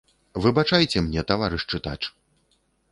Выбачайце мне, таварыш чытач!